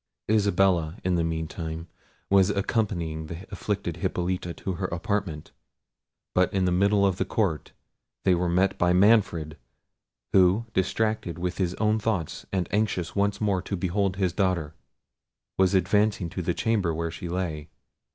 Isabella, in the meantime, was accompanying the afflicted Hippolita to her apartment; but, in the middle of the court, they were met by Manfred, who, distracted with his own thoughts, and anxious once more to behold his daughter, was advancing to the chamber where she lay.